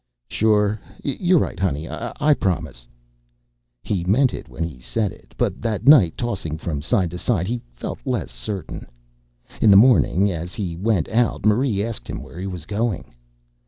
"Sure, you're right, honey. I promise." He meant it when he said it. But that night, tossing from side to side, he felt less certain. In the morning, as he went out, Marie asked him where he was going.